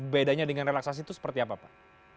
bedanya dengan relaksasi itu seperti apa pak